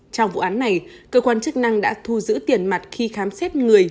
trong vụ án này cơ quan chức năng đã thu giữ tiền mặt khi khám xét người